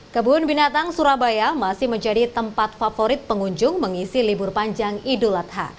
kebun binatang surabaya masih menjadi tempat favorit pengunjung mengisi libur panjang idul adha